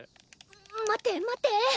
待って待って。